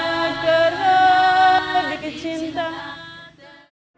kepada tuhan alamu kepada tuhan alamu